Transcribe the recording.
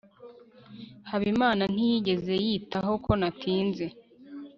habimana ntiyigeze yitaho ko natinze